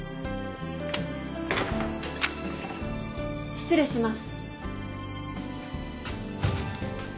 ・失礼します。